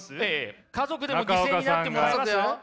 家族でも犠牲になってもらいますよ。